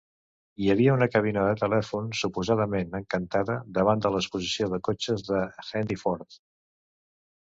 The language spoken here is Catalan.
Hi havia una cabina de telèfon suposadament "encantada" davant de l'exposició de cotxes de Hendy Ford.